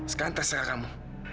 sekarang terserah kamu